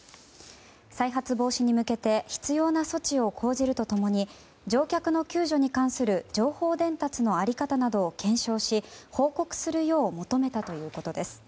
再発防止に向けて必要な措置を講じると共に乗客の救助に関する情報伝達の在り方などを検証し報告するよう求めたということです。